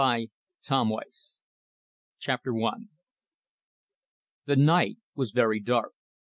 PART IV CHAPTER ONE The night was very dark.